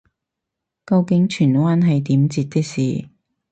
究竟荃灣係點截的士